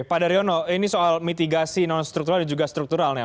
pak daryono ini soal mitigasi non struktural dan juga strukturalnya